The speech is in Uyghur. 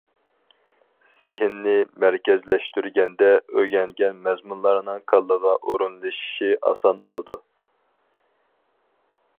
زېھىننى مەركەزلەشتۈرگەندە ئۆگەنگەن مەزمۇنلارنىڭ كاللىغا ئورۇنلىشىشى ئاسان بولىدۇ.